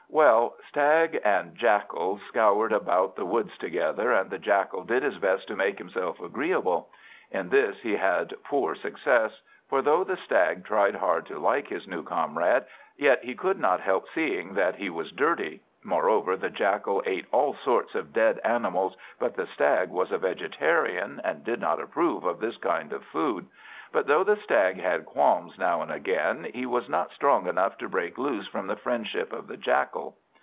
Well, Stag and Jackal scoured about the woods together, and the Jackal did his best to make himself agreeable. In this he had poor success; for though the Stag tried hard to like his new comrade, yet he could not help seeing that he was dirty; moreover, the Jackal ate all sorts of dead animals, but the Stag was a vegetarian, and did not approve of this kind of food. But though the Stag had qualms now and again, he was not strong enough to break loose from the friendship of the Jackal.